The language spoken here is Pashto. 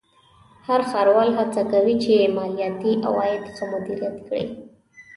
هر ښاروال هڅه کوي چې مالیاتي عواید ښه مدیریت کړي.